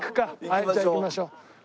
はいじゃあ行きましょう。